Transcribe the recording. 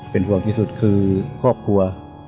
เป็นห่วงที่สุดคือครอบครัว